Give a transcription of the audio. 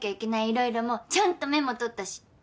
色々もちゃんとメモ取ったし。